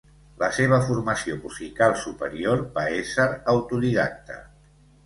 La seva formació musical superior va ésser autodidacte.